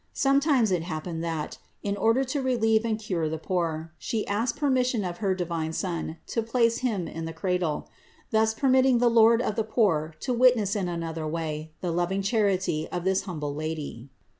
Sometimes it happened that, in order to relieve and cure the poor, She asked permission of her divine Son to place Him in the cradle; thus permitting the Lord of the poor to witness in another way the loving charity of this humble Lady.